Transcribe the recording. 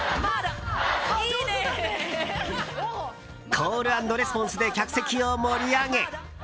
コールアンドレスポンスで客席を盛り上げ。